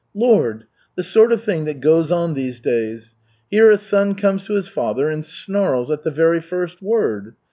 Lord! The sort of thing that goes on these days! Here a son comes to his father and snarls at the very first word.